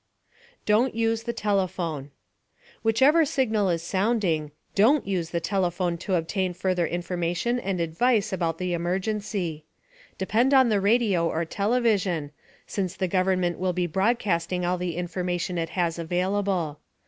DON'T USE THE TELEPHONE Whichever signal is sounding, don't use the telephone to obtain further information and advice about the emergency. Depend on the radio or television, since the government will be broadcasting all the information it has available.